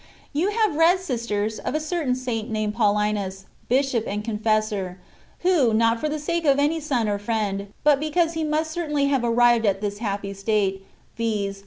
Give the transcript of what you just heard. You have read, sisters, of a certain Saint named Paulinus, bishop and confessor, who, not for the sake of any son or friend, but because he must certainly have arrived at this happy state, viz.